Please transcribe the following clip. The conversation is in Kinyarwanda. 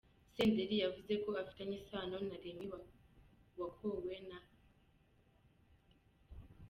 Senderi yavuze ko afitanye isano na Remy wakowe na A.